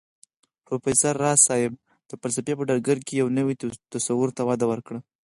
پروفېسر راز صيب د فلسفې په ډګر کې يو نوي تصور ته وده ورکړه